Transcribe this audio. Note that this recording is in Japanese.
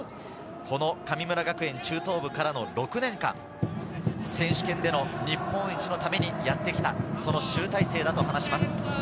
神村学園中等部からの６年間、選手権での日本一のためにやってきたその集大成だと話します。